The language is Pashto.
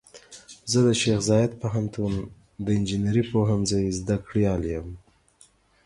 زه د خوست شیخ زايد پوهنتون د انجنیري پوهنځۍ زده کړيال يم.